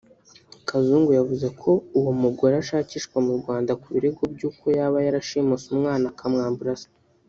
Kazungu yavuze ko uwo mugore ashakishwa mu Rwanda ku birego by’uko yaba yarashimuse umwana akamwambura Se